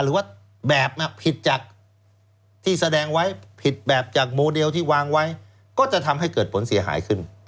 หรือว่าแบบผิดจากที่แสดงไว้ผิดแบบจากโมเดลที่วางไว้ก็จะทำให้เกิดผลเสียหายขึ้น